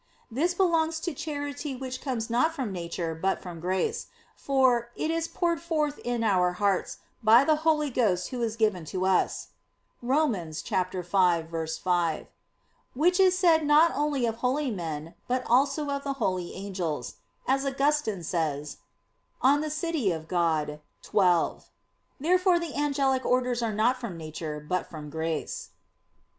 This belongs to charity which comes not from nature but from grace; for "it is poured forth in our hearts by the Holy Ghost Who is given to us" (Rom. 5:5): "which is said not only of holy men, but also of the holy angels," as Augustine says (De Civ. Dei xii). Therefore the angelic orders are not from nature, but from grace.